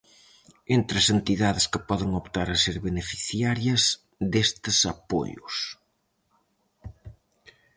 Entre as entidades que poden optar a ser beneficiarias destes apoios.